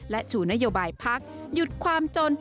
และชูนโยบายพักหยุดความจน